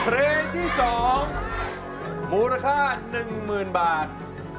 ร้องได้ร้องได้ร้องได้